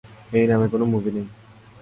এই নামে কোনো মুভি নেই।